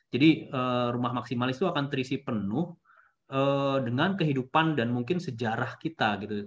jadi rumah maksimalis itu akan terisi penuh dengan kehidupan dan mungkin sejarah kita